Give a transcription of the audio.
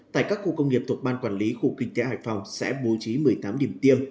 tại các khu công nghiệp thuộc ban quản lý khu kinh tế hải phòng sẽ bố trí một mươi tám điểm tiêm